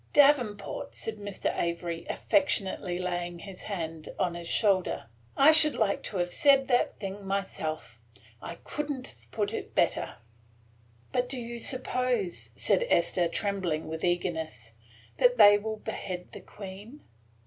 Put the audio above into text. "Davenport," said Mr. Avery, affectionately laying his hand on his shoulder, "I should like to have said that thing myself, I could n't have put it better." "But do you suppose," said Esther, trembling with eagerness, "that they will behead the Queen?"